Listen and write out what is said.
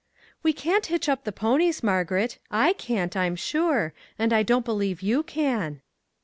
" We can't hitch up the ponies, Margaret ;/ can't, I'm sure, and I don't believe you can."